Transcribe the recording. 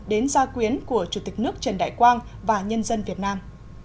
đến gia quyến của chủ tịch nước trần đại quang và nhân dân việt nam